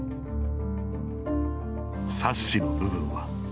サッシの部分は。